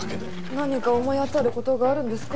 何か思い当たる事があるんですか？